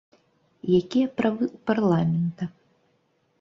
Якія правы ў парламента?